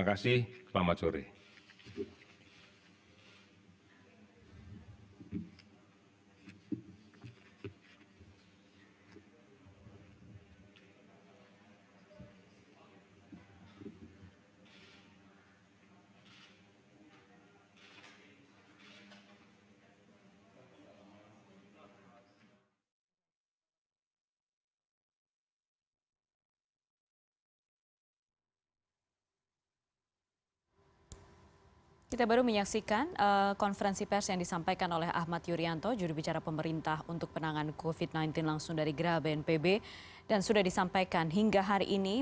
artinya persentase ini adalah angka yang posisi pada hari ini